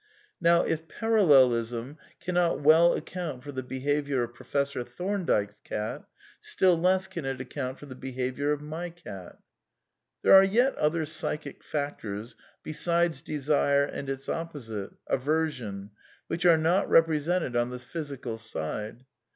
Now if Parallelism cannot well account for the be haviour of Professor Thomdike's cat, still less can it ac count for the behaviour of my cat. There are yet other psychic factors besides desire and its opposite, aversion, which are not represented on the physical side.